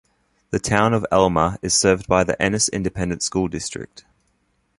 The town of Alma is served by the Ennis Independent School District.